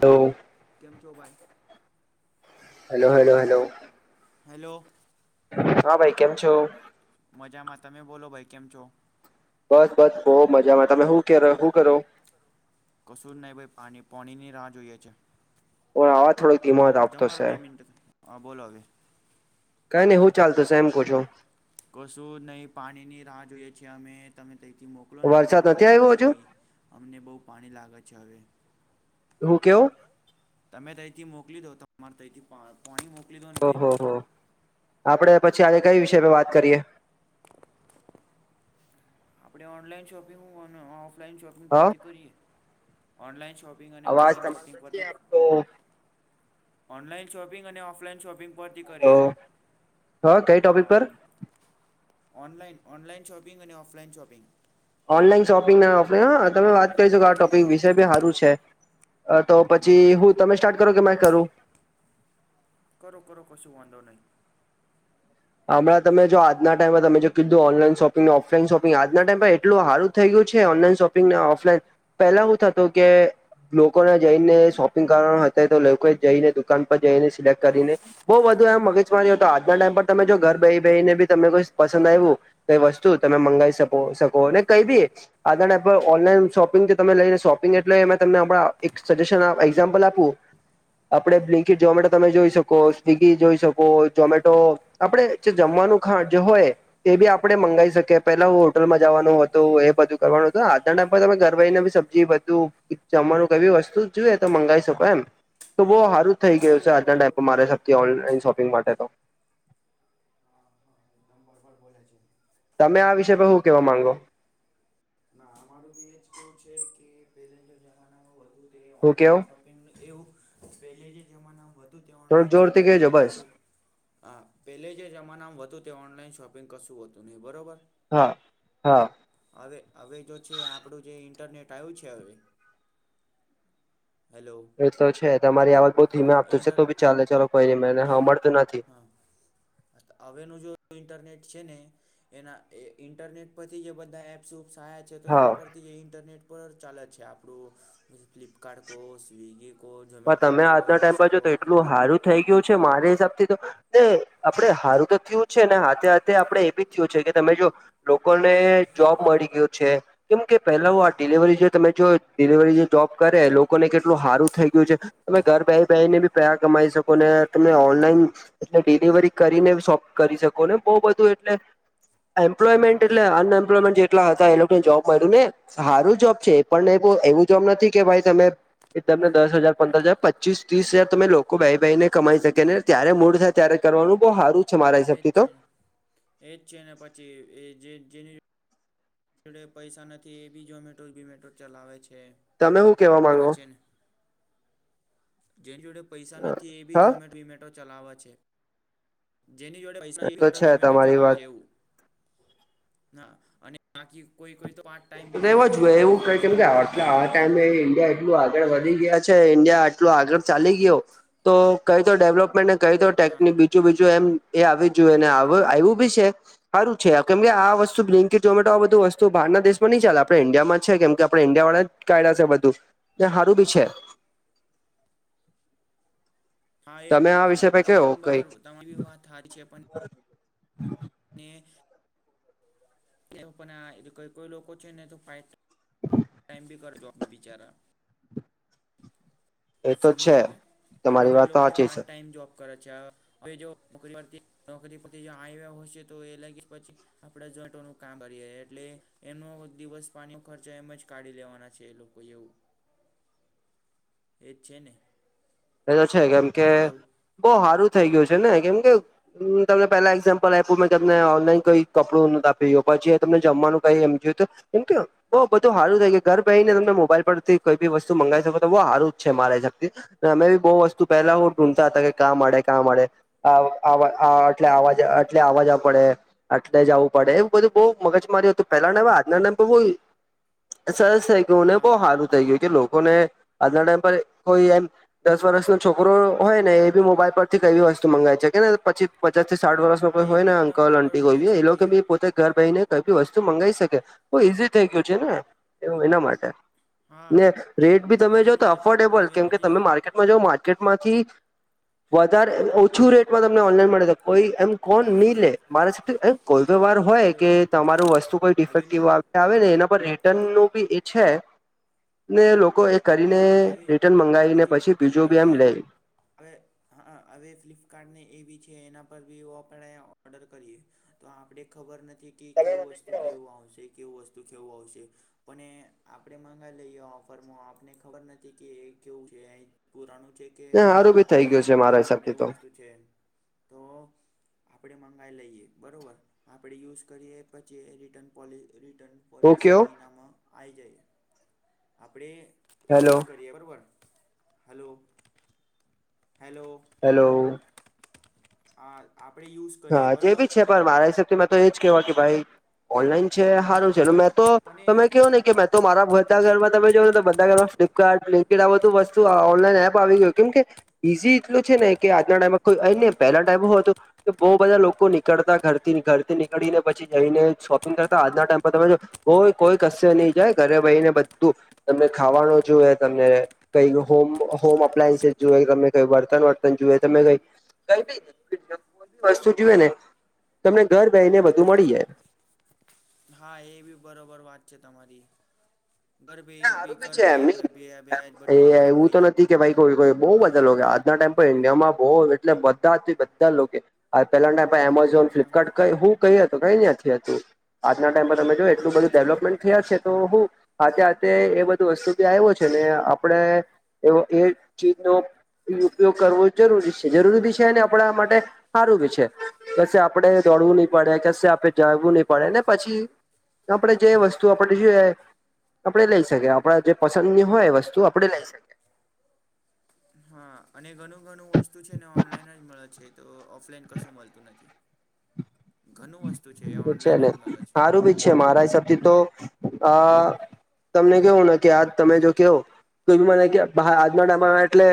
હાલો કેમ છો ભાઈ? હલો હલો હલો હેલો હા ભાઈ કેમ છો મજામાં, તમે બોલો ભાઈ, કેમ છો? બસ બસ બો મજામાં તમે હું કેરો, હું કરો? કશું જ નહીં ભાઈ પાણી, પોણીની રાહ જોઈએ છે. આવા થોડોક ધીમો જ આપતો તમારો છે બે મિનટ, હા બોલો હવે કઈની, હું ચાલતો એમ પૂછું? કશું નહીં પાણીની રાહ જોઈએ છે અમે, તમે તઈથી મોકલો ને વરસાદ તમારા નથી આવ્યો હજુ તરફથી. અમને બહુ પાણી લાગે છે હવે હું કેવો? તમે તઈથી મોકલી દો, તમારે તઈથી, પાણી મોકલી દો ને તઈ ઓહો થી હો આપડે પછી આજે કઈ વિષય પર વાત કરીએ? આપડે ઓનલાઈન શોપિંગ હું ઓફલાઈન શોપિંગ હા પરથી કરીએ. ઓનલાઈન શોપિંગ અને અવાજ ઓફલાઈન શોપિંગ તમારો નથી પરથી આપતો ઓનલાઈન શોપિંગ અને ઓફલાઈન શોપિંગ. પરથી હેલો કરીએ. હા કઈ ટોપિક હા. પર ઓનલાઈન ઓનલાઈન શોપિંગ અને ઓફલાઈન શોપિંગ. ઓનલાઈન શોપિંગ ના ઓફલાઈન હા, તમે વાત કરી શકો કે આ ટોપિક વિષય બી, સારું છે. તો પછી હા હું તમે સ્ટાર્ટ કરો કે મે કરું? કરો કરો કશું વાંધો નઈ. હમણાં તમે જો આજના ટાઈમેમાં તમે જો કીધું ઓનલાઈન શોપિંગને ઓફલાઈન શોપિંગ આજના ટાઈમમાં એટલુ હારુ થઈ ગયું છે ઓનલાઈન શોપિંગ ને ઓફલાઈન. પેલા હું થતું કે લોકોને જઈને શોપિંગ કરવાનું હતા તો લોકો જઈને દુકાન પર જઈને સિલેક્ટ કરીને બો બધુ એમ મગજમારી હતો આજના ટાઈમ પર તમે જો ઘર બેહ બેહી ને બી તમને કોઈ પસંદ આવ્યું કઈ વસ્તુ તમે મંગાવી શકો શકો ને કઈ બી આધ ઓનલાઈન શોપિંગ તમે લઈને શોપિંગ એટલે તમને એક સજેશન એઝામ્પલ આપું. આપડણે હમ બ્લિંકી જોમેટો તમે જોઈ શકો સ્વિગી જોઈ શકો ઝમેટો આપડે જે જમવાનું ખાણ જે હોય. એ બી આપણે મંગાવ શકીએ પેલા હું હોટલમાં જવાનું હતું એ બધું કરવાનું હતું આજના ટાઈમ પર તમે ઘર ભાઈને બી સબ બધું જમવાનું કઈ બી વસ્તુ જોઈએ તો મંગાવી શકો એમ, તો બહ હારું થઈ ગયું છે. આજના ટાઈમ પર મારે સથી ઓનલાઈન શોપિંગ માટે તો. એકદમ બરબર બોલાય છે. તમે આ વિષય ભ શું કેવા માંગો? [unintelligible] હું કેવો એવું પહેલે જે જમાનામાં હતું તે્યા થોડુંક ઓનલાઈન જોરથી શોપિંગ કહેજો એવું બસ કશું હા પહેલે જે જમાનામાં હતું તે ઓનલાઈન શોપિંગ કશું હતું નહીં બરાબર. હા હા. હવે હવે જો છે આપણું જે ઇન્ટરનેટ આવ્યું છે હવે. હેલો એ તો છે તમારી આવાજ બઉ ધીમે આપતો છે ઇન્ટર તો બી ચાલે ચાલ કોઈ રમેને મળતું નથી. હા હવેનું જો ઈન્ટરનેટ છે ને, એના ઇન્ટરનેટ પરથી જે બધા એપ શુ સહાય છે તો હા એના પર ઇન્ટરનેટ પર ચાલે છે, આપડું ફ્લિપકાર્ટ કોહો સ્વિગી. કો ઝોમેટો પણ તમે કો આજના ટાઈમ પર મીશો જો કો તો એટલું સારું થઈ ગયું છે મારા હિસાબથી તો આપડે સારું તો થયું છે ને હાથે હાથે આપડે એ બી થયું છે કે તમે જો લોકોને જોબ મળી ગયો છે, કેમ કે પેલા હ હમ આ ડિલિવરી જે તમે જો ડિલિવરી જે જોબ કરે લોકોને કેટલું સારું થઈ ગ તમે ઘર બે બેને બી પેસા કમાઈ શકો તમે ઓનલાઈન એટલે ડિલિવરી કરીને શોપ કરી શકો ને બહ બધું એટલે હા એમ્પ્લોયમેન્ટ એટ એ અન એમ્લોમેન્ટ કેટલા હતા એ લોકોને જોબ મળ્યું ને સારું જોબ છે પણ એવું જોબ નથી કે ભાઈ તમે એ તમને દસ હજાર, પંદર હજાર, પચીસ, ત્રીસ હજાર તમે લોકો બેહી બેહીને કમાઈ શકે ને ત્યારે મૂળ થાય, ત્યારે કરવાનું બહ હારું છે મારા એજ હિસાબથી તો છે ને એજ છે ને પછી એ જે જેની જેને પૈસા નથી એ બી ઝોમેંટો બીમેટો ચલાવે છે. તમે શું કેવા બરોબર માંગો છેને જેની જોડે પૈસા નથી એ બી હા ઝોમટ બીમેટ ચલાવે છે જેની જોડે પૈસા તો ઝોમેટો છે બીમેટો તમારી ચલાવો વાત છે એવું હા અને બાકી કોઈ કોઈ તો પાર્ટ ટાઈમ બી કરે છે, જોબ બી કરે છે. એટલે આ ટાઈમે ઇન્ડિયા એટલું આગળ વધી ગયા છે ઇન્ડિયા એટલું આગળ ચાલી ગયો તો કઈ તો ડેવલપમેન્ટ કઈ તો હા ટેકની બી બીજું બીજું એમ એ આવી જ જોઈએ ને આવ આવ્યું બી છે હારું છે કેમકે આ વસ્તુ બ્લન્કી ઝોમેટો આ બધું વસ્તુ બહારના દેશ ની ચાલે, આપડા ઈન્ડિયા માં છે કેમકે આપડે ઈન્ડિયા વાળા જ કાઢ્યું છે આ બધું ને હારું ભી છે હા એ તમે આ વિષય પર કયો એકદમ કઈક બરોબર તમારી વાત હાચી છે. ને એ લોકોના કોઈ કોઈ લોકો છે ને પાર્ટ ટાઈમ ભી કર જોબ ભી બેચારા એ તો સમજી છે કે કોઈ તમારી કઈ વાત તો લોકો સાચી છે પાર્ટ ટાઈમ જોબ કરે છે, અહ હવે જો નોકરી પરથી, નોકરી પરથી આવ્યા હશે તો એ [unintelligible] પછી આપણા ઝોમેંટોનું કામ કરીએ એટલે એનો દિવસ પાણીનો ખર્ચ એમજ કાઢી લેવાના છે એ લોકો એવું એજ છેને એતો છે, કેમકે બો સારું થઇ ગયું છે ને, કેમકે હું તમને પેલા એક્ઝામ્પલ આપ્યું મેં તમને ઓનલાઈન કોઈ કપડું આપ્યું પછી તમને જમવાનું કઈ એમ જોયું તો એમ [unintelligible] બવ બધું હારું થઈ ગયું ઘર બહી ને તમે મોબાઈલ પરથી કોઈ બીસ્તુ મંગાવી શકો તો બ સારું જ છે મારા હિસાબથી. અમે બી બહુ વસ્તુ પહેલા હુ ગુમતા તા કે કા મળે કાં મળે. આ આવ આવ એટલે અવાજ આપડે. આટલે જવું પડે એ બધું બહુ મગજમારી હતું પેલાના [unintelligible] આજના [unintelligible] સરસ થઇ ગયુંને બહુ હા હારું થઇ ગયું કે લોકોને આજના ટાઈમ પર કોઈ એમ દસ વર્ષનો છોકરો હોય ને એ બી મોબાઈલ પરથી કઈ વસ્તુ મંગાવાય છે કે ને પછી પચાસ થી સાઠ વર્ષ નું હા કોઈ એ હોય બી ને તમે અંકલ બરોબર આટી કોઈ બોલે બી છે એ કે લોકો બી પોતે ઘર બેઈ ને કઈ બી વસ્તુ મંગાવી શકે બહુ ઈઝી થઈ ગયું છે ને એના માટે. હા ને રેટ બી તમે જાવ હવેનું તો જે અફોર્ડેબલ કેમ હવેનું કે જે તમે માર્કેટમાં જાવ માર્કેટમાંથી વધારે ઓછું રેટમાં તમને ઓનલાઈન મળે તો કોઈ એમ કોણ મિલેે મારેમ કોઈ પણ વાર હોય હલો કે તમારું વસ્તુ કોઈ હવેનું ડિફેક્ટિવ આવ આવે ને એના પર રિટર્ન નું બી એ છે ને લોકો એ કરીને રિટર્ન મંગાવીને પછી બીજું બી આવી એમ લે હવે હાક હવે ફ્લિપકાર્ટ ને એવી છે એના પર આપણે ઓર્ડર કરીએ. તો આપડે ખબર નથી કે કેવું વસ્તુ કેવું આવશે. કેવું વસ્તુ કેવું આવશે પણ એ આપણે મગાવ લઈએ ઓફરમાં આપને ખબર નથી કે એ કેવું છે પુરાણું છે કે હારું બી થઈ આવી ગયું છે મારા નવું હિસાબથી નવું તો વસ્તુ છે તો આપણે મંગાઈ લઈએ બરોબર, આપણે યુઝ કરીએ પછી રિટન પોલ રિટર્ન હું પોલિસી કયો ની ઇનામ આવી જાય. આપણે હાલો. [unintelligible] હલો. હેલો. હેલો. આલ આપડે યુઝ કરીએ હા, જે બરોબર બી છે પણ મારા હિસાબથી મે તો એજ કેવા કે ભાઈ હા ઓનલાઈન છે પણ એ હારું છે ને મેં તો પણ તમે એ કો ને કે મે તો તો મારા બધા ઘરમાં તમે જો ને બધા ઘરમાં ફ્લિપકાર્ટ, બ્લિંકિટ આ બધું વસ્તુ ઓનલાઈન એપ આવી ગયું કેમકે ઈઝી એટલું છે ને કે આજના ટાઈમમાં કોઈ ને પહેલા ટાઈમ હોય તો કે બો બધા લોકો નીકળતા ઘરથી, ઘરથી નીકળીને પછી જઈને શોપિંગ કરતા. આજના ટાઈમ પર તમે જો કોઈ કોઈ કશેની જાય, ઘરે બેહીને બધું તમને ખાવાનું જોએ તમને કઈ હોમ હોમ એપ્લાયન્સીસ જોએ તમે કઈ વર્તન વર્તન જોુએ, તમે કઈ કઈભી વસ્તુ જોુએને તમને ઘર બેહીને બધું મળી જાય. હા, એ બી બરોબર વાત છે તમારી. ઘર બે ના હારું બી ઘર છે બે એમ બે બે જ બધું આપણે એવું મળી તો નથી કે ભાઈ કોઈ કો બો જાય બધા [unintelligible] કે મળી. આજના ટાઈમ ઇન્ડિયામાં બો એટલે બધાથી બધા લોકો પેલા ટાઈમ એમેઝોન હા ફ્લિપકાર્ટ કઈ હું કઈ હતું, કઈ નથી હતું. આજના ટાઈમ પર તમે જો હા એટલું એ બધું છે ને ડેવલપમેન્ટ થયા છે તો હું આજે તે એ બધું વસ્તુ બી આવ્યો છે ને આપડે એ એ ચીજનો એ ઉપયોગ કરવો જરૂરી છે, જરૂરી બી છે આપડા માટે હારુ ભી છે, કશે આપડે દોડવુંની પડે, કશે આપડે જવુંની પડે ને પછી આપણે જે વસ્તુ આપણેને જોઈએ આપડે લઈ શકીએ આપડા જે પસંદ ની હોય વસ્તુ આપડે લઈ શકીએ હા અને ઘણું ઘણું વસ્તુ છે ને ઓનલાઈન જ મળે છે, તો ઓફલાઈન કશું મળતું નથી. ઘણું વસ્તુ છે એ ઓનલાઈન ને જ મળે છે. સારું બી છે મારા હિસાબથી તો અહ તમને કેવું ને કે આ તમે જો કેવ તો બી મને આજના ટાઈમ એટલે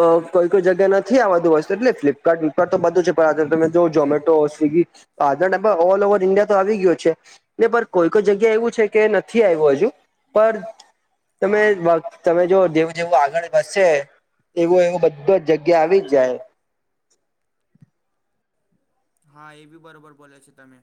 અહ કોઈ કોઈ જગ્યા નથી આવાતું વસ્તુ એટલે ફ્લિપકાર્ટ વ્લપકાર્ટ તો બધું છે પણ આજે તમે જો Zomato Swiggy [unintelligible] all over India તો આવી ગયો છે. ન પર કોઈ કોઈ જગ્યા એવું છે કે નથી આવ્યું હજુ પણ તમે હા [unintelligible] તમે જો જેવું જેવું આગળ બનશે એવું એવું બધાજ જગ્યા આવી જ જાય હા, એ બી બરોબર બોલે છે તમે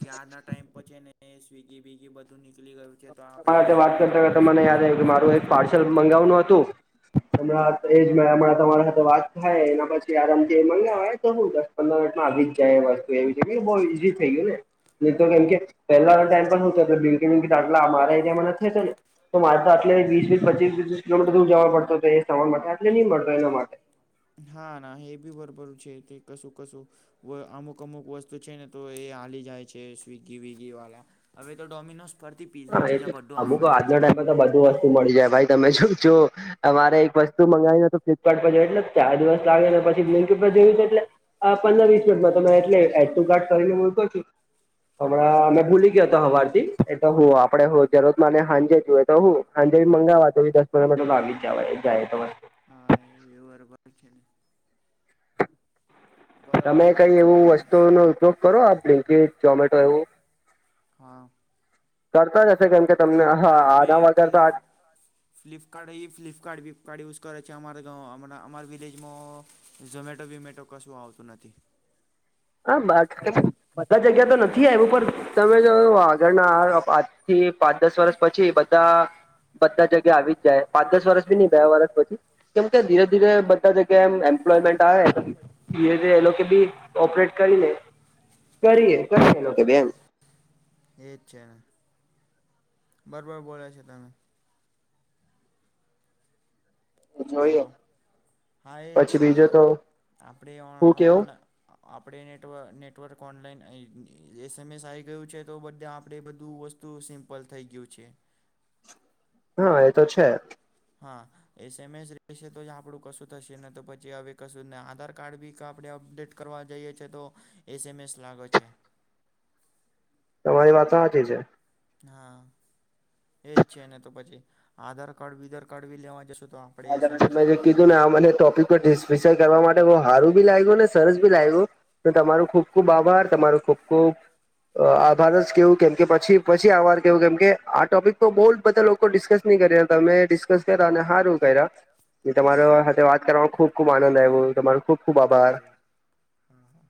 કે આજના ટાઈમ પછ છે ને સ્વિગી બીગી બધું નીકળી ગયું છે તો તમારા આપણે સાથે વાત ઘર કરતા બેસા મને યાદ બેસા આવ્યું કે કશું મારું એક વસ્તુ પાર્સલ બધા મંગાવવાનું હતું અમના એજ હા મેં અમના તમારી હાથે વાત થાય એના પછી આરામથી એ મંગાવાય તો હું દસ પંદર મિનિટમાં આવીજ જાય બસ તો એ છે, બો ઈઝી થઈ ગયું ને નહી તો કેમકે પહેલાના હમ ટાઈમ શું થતું બટલા મારા એરિયામાં નથી થતો ને તો મારે તો આટલી વીસ વીસ પચીસ વી ત્રીસ કિલોમીટર દૂર જવા પડું હતો એ સવાર માટે, આટલે ની મળતો એના માટે હા ના એ બી ભરોબર છે તે કશું કસું અમુક અમુક વસ્તુ છે ને તો એ હલી જાય છે સ્વીગી વિગી વાલા હવે તો ડોમિનોઝ પરથી પીઝા હા વિઝા એ બધું અમુક આવે છે. આજના ટાઈમમાં તો બધું મળી જાય ભાઈ તમે જોજો અમારે એક વસ્તુ મંગાવી તો ફ્લિપકાર્ટ પર જો એટલે ચાર દિવસ લાગે ને પછી બ્લિંકિટ જોયું છેું એટલે આ પંદર વીસ મિનિટમાં તમે એટલે એ તું કાર્ટ કરીને મૂકો છો હમણાં મે હમ ભૂલી ગયો તો હવારથી એ તો હું આપડે હો જરૂર માને હાંજે જો હોય તો હું હાંજે મંગાવવા તો દસ પંદ આવી જાય તો હા, એ ભી બરોબર છે ને બરોબર તમે બોલે કઈ છે એવું ભાઈ તમે વસ્તુનો ઉપયોગ કરો આ બ્લિંકીટ, ઝોમેટો એવું? હા કરતા જ હશે કેમ કે તમને હા ના અમે આના વગર તો ખાલી આજ ફ્લિપકાર્ટ એ ફ્લિપકાર્ટ વ્લિપકાર્ટ યુઝ કરે છે અમા ગંવ અમારા વિલેજમાં ઝોમેટો વોમેટો કશું આવતું નથી. હા, બા બધા જગ્યા તો નથી આવ્યું પણ તમે જો આગળના પાછળ થી પાંચ દસ વર્ષ પછી બધા બધા જગ્યા આવી જ જાય પાંચ દસ વરષ બી નહી બે વરષ પછી, કેમ ધીરે ધીરે બધા જગ્યા એમ એમ્પ્લોયમેન્ટ આવે ધીરે ધીરે એ લોકોકે બી ઓપરેટ કરી લે. કરીએ કરીએ લોકો કે બેન. એ જ છે, ને બરાબર બોલે છે તમે. હેલો જોઈએ હા એ જ પછી છે, બીજું તો આપણે ઓ હું કેવું ઓનલા આપણે નેટવ નેટવર્ક ઓનલાઈન એસ-એમ-એસ આ આવી ગયું છે તો બધા આપણે બધું વસ્તુ સુ સિમ્પલ થઈ ગયું છે. હા એ તો છે. હા એસ એમ એસ રહેશે તો આપણું કશું થશે ને તો પછી હવે કશું આધાર કાર્ડ બી આપડણે અપડેટ કરવા જઈએ છે તો, એસ એમ એસ લાગે છે. તમારી વાત સાચી છે. હા, એજ છેને તો પછી, આધાર કાર્ડ બધર કાર્ડ બી લેવા જશો તો આપણે એસએમએસ હા જે લાગશે કીધું ને આ મને ટોપિક પર કરવા માટે બ સારું ભી લાગ્યું ને સરસ ભી લાગ્યું. તમારું ખુબ ખુબ આભાર તમારોું ખુબ ખુબ આભાર જ કેવું કેમ કે પછી-પછી આવાર કેવું કેમ કે આ ટોપિક બહુ બધા લોકો ડિસ્કસ નહી કર્યા તમે ડિસ્કસ કર્યા અને હારુ. તમારો સાથે વાત કરવાવામાં ખુબ ખુબ આનંદ આવ્યો, તમારો ખુબ ખુબ આભાર. હા-હા.